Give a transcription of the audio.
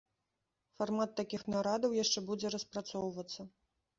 Фармат такіх нарадаў яшчэ будзе распрацоўвацца.